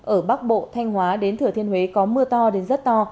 ở bắc bộ thanh hóa đến thừa thiên huế có mưa to đến rất to